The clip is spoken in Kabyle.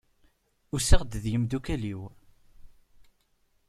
Usiɣ-d d yimdukal-iw.